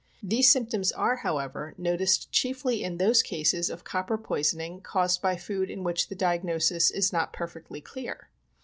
These symptoms are, however, noticed chiefly in those cases of copper poisoning caused by food in which the diagnosis is not perfectly clear.